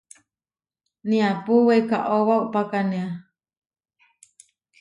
Niápu weikaóba upákanea.